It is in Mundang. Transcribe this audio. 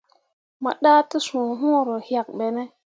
Mo ɗah tesũũ huro yak ɓene.